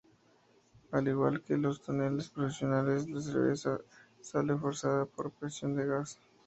Al igual que los toneles profesionales, la cerveza sale forzada por presión de gas.